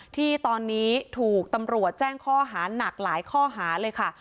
ที่ตอนนี้ถูกตำรวจแจ้งข้อหาหนักหลายข้อหาเลยค่ะ